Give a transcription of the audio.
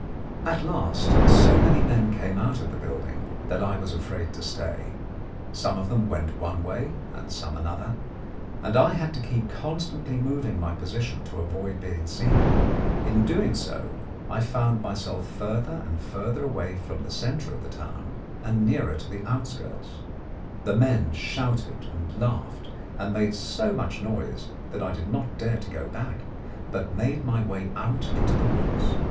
At last so many men came out of the building that I was afraid to stay. Some of them went one way, and some another, and I had to keep constantly moving my position to avoid being seen. In doing so I found myself further and further away from the centre of the town, and nearer to the outskirts. The men shouted and laughed, and made so much noise that I did not dare to go back, but made my way out into the woods.